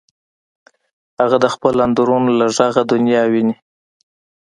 هغه د خپل اندرون له غږه دنیا ویني